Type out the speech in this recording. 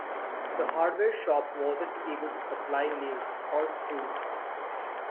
The hardware shop wasn't able to supply nails or screws.